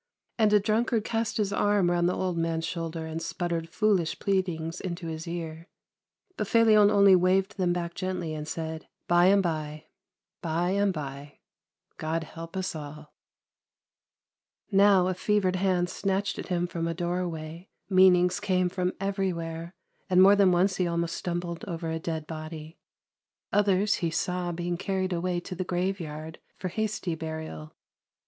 And a drunkard cast his arm round the old man's shoulder and sputtered foolish pleadings in his ear; but Felion only waved them back gently, and said :" By and by, by and by — God help us all !" 348 THE LANE THAT HAD NO TURNING Now a fevered hand snatched at him from a door way, meanings came from everywhere, and more than once he almost stumbled over a dead body; others he saw being carried away to the graveyard for hasty burial.